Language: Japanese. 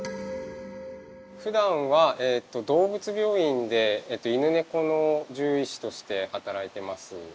ふだんは動物病院で犬猫の獣医師として働いてます。